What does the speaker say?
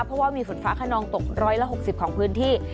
เพราะว่ามีฝนฟ้าขนองตก๑๖๐ของพื้นที่